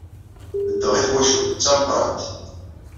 Beddeɣ i twacult d tameqrant.